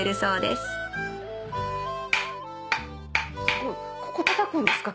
すごいここ叩くんですか？